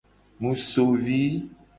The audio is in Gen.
Mu so vi.